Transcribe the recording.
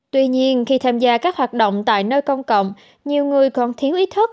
tuy nhiên khi tham gia các hoạt động tại nơi công cộng nhiều người còn thiếu ý thức